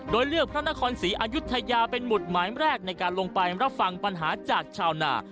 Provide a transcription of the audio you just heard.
โดยเลือกพระนครศรีอายุทยาเป็นหุดหมายแรกในการลงไปรับฟังปัญหาจากชาวนา